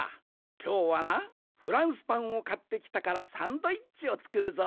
きょうはなフランスパンをかってきたからサンドイッチをつくるぞ。